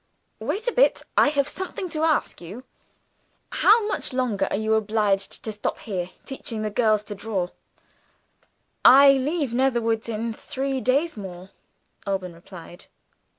Wait a bit; I have something to ask you. How much longer are you obliged to stop here, teaching the girls to draw?" "I leave Netherwoods in three days more," Alban replied.